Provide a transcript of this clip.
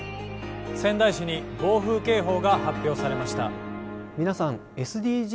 仙台市に暴風警報が発表されました。